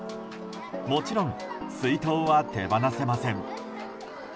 もちろん水筒は手放せません。